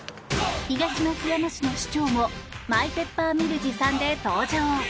東松山市の市長もマイペッパーミル持参で登場。